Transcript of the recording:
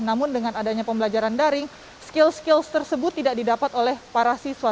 namun dengan adanya pembelajaran daring skill skills tersebut tidak didapat oleh para siswa